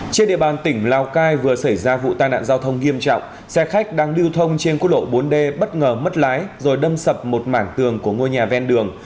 trên địa bàn tỉnh lào cai vừa xảy ra vụ tai nạn giao thông nghiêm trọng xe khách đang lưu thông trên quốc lộ bốn d bất ngờ mất lái rồi đâm sập một mảng tường của ngôi nhà ven đường